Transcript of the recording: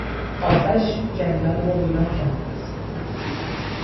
آتش این جنگل را ویران کرده است.